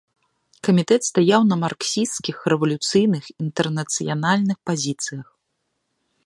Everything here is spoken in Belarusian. Камітэт стаяў на марксісцкіх, рэвалюцыйных, інтэрнацыянальных пазіцыях.